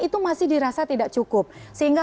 itu masih dirasa tidak cukup sehingga